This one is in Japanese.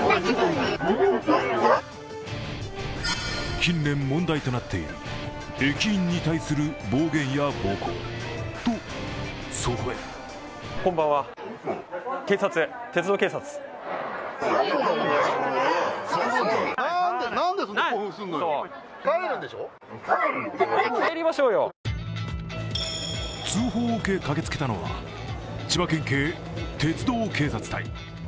近年問題となっている駅員に対する暴言や暴行。と、そこへ通報を受け駆けつけたのは千葉県警鉄道警察隊。